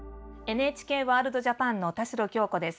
「ＮＨＫワールドＪＡＰＡＮ」の田代杏子です。